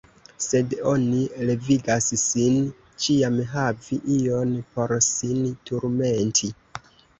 Sed oni devigas sin ĉiam havi ion por sin turmenti!